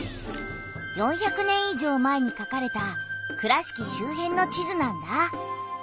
４００年以上前にかかれた倉敷周辺の地図なんだ。